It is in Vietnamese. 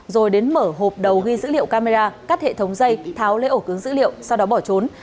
rồi đến mở hộp đầu ghi dữ liệu camera cắt hệ thống dây tháo lấy ổ cứng dữ liệu sau đó bỏ trốn